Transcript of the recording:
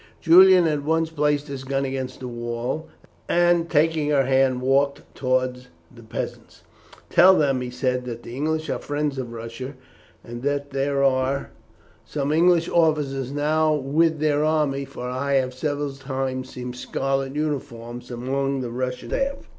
Julian at once placed his gun against the wall, and, taking her hand, walked forward to the peasants. "Tell them," he said, "that the English are the friends of Russia, and that there are some English officers now with their army, for I have several times seen scarlet uniforms among the Russian staff."